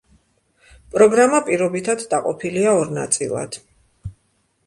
პროგრამა პირობითად დაყოფილია ორ ნაწილად.